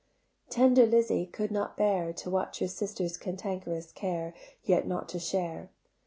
Tender Lizzie could not bear To watch her sister's cankerous care Yet not to share.